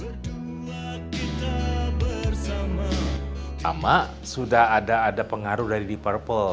pertama sudah ada pengaruh dari deep purple